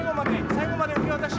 最後まで受け渡し。